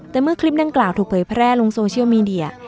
แต่เมื่อคลิปดังกล่าวถูกเผยแพร่ลงโซเชียลมีเดีย